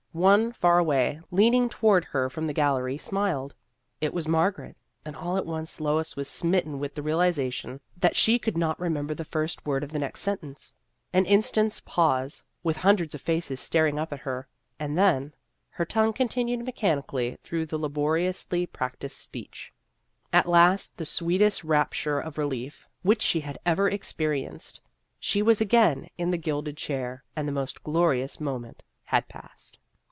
One, far away, leaning toward her from the gallery, smiled. It was Margaret, and all at once Lois was smit ten with the realization that she could not remember the first word of the next sentence. An instant's pause, with hun dreds of faces staring up at her, and then her tongue continued mechanically through the laboriously practised speech. At last, in the sweetest rapture of relief which she had ever experienced, she was again in the gilded chair, and the most glorious moment had passed.